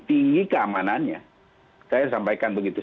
tinggi keamanannya saya sampaikan begitu